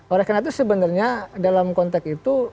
oleh karena itu sebenarnya dalam konteks itu